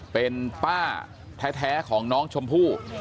เป็นป้าแท้ของน้องชมพู่